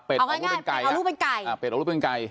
เอาง่ายเป็ดออกลูกเป็นไก่